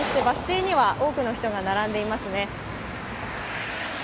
バス停には多くの人が並んでいますね。